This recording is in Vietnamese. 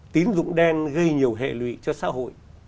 tín dụng đen gây nhiều hệ lụy cho xã hội